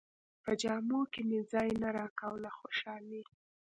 په جامو کې مې ځای نه راکاوه له خوشالۍ.